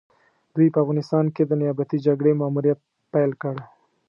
دوی په افغانستان کې د نيابتي جګړې ماموريت پيل کړ.